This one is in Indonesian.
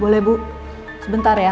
boleh bu sebentar ya